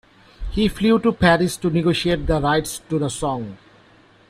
He flew to Paris to negotiate the rights to the song.